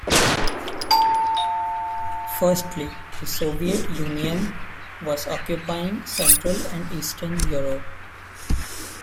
Firstly, the Soviet Union was occupying Central and Eastern Europe.